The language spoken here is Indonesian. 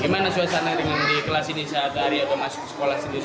gimana suasana di kelas ini saat hari aku masuk sekolah sendiri